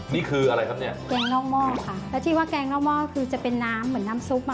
นี่คืออะไรครับเนี่ยแกงนอกหม้อค่ะแล้วที่ว่าแกงนอกหม้อคือจะเป็นน้ำเหมือนน้ำซุปอ่ะ